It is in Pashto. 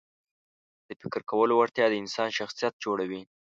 د فکر کولو وړتیا د انسان شخصیت جوړوي.